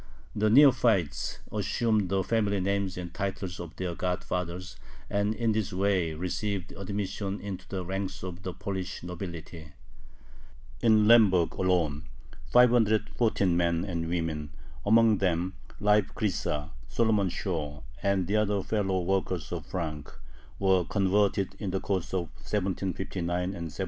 The neophytes assumed the family names and titles of their godfathers, and in this way received admission into the ranks of the Polish nobility. In Lemberg alone 514 men and women, among them Leib Krysa, Solomon Shorr, and the other fellow workers of Frank, were converted in the course of 1759 and 1760.